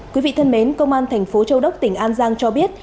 quý vị thân mến công an thành phố châu đốc tỉnh an giang cho biết